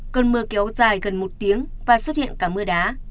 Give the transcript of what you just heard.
cơn mưa kéo dài gần một tiếng và xuất hiện cả mưa đá